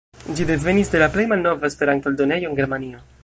Ĝi devenis de la plej malnova Esperanto-eldonejo en Germanio.